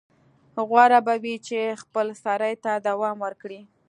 غوره به وي چې خپلسرۍ ته دوام ورکړي.